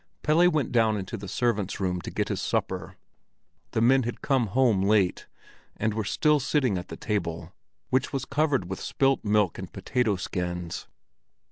Pelle went down into the servants' room to get his supper. The men had come home late, and were still sitting at the table, which was covered with spilt milk and potato skins.